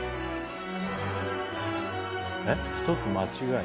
えっ一つ間違い？